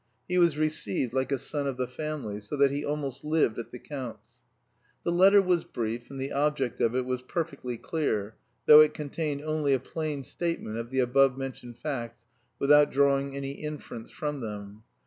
He was received like a son of the family, so that he almost lived at the count's. The letter was brief, and the object of it was perfectly clear, though it contained only a plain statement of the above mentioned facts without drawing any inferences from them.